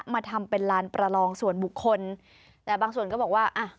มาทำเป็นลานประลองส่วนบุคคลแต่บางส่วนก็บอกว่าอ่ะ